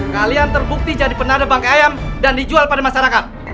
kalian terbukti jadi penada bangkai ayam dan dijual pada masyarakat